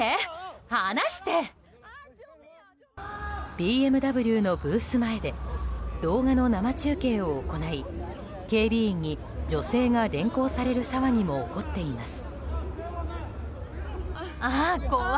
ＢＭＷのブース前で動画の生中継を行い警備員に女性が連行される騒ぎも起こっています。